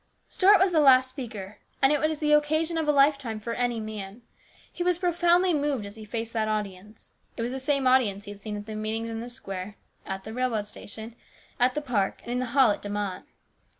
Stuart was the last speaker, and it was an occasion of a lifetime for any man. He was profoundly moved as he faced that audience. It was the same audience he had seen at the meetings in the square, at the railroad station, at the park, and in the hall at De Mott.